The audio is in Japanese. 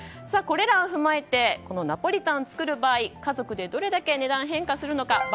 これらを踏まえてナポリタンを作る場合家族でどれだけ値段が変化するのか。